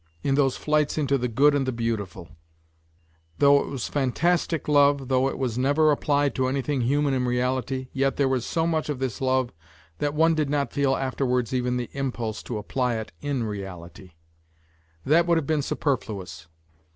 in those " flights into the good and the beautiful;" though it was fantastic love, though it was never applied to anything human in reality, yet there was so much of this love that one did not feel afterwards even the impulse to apply it in reality; that would have been superfluous.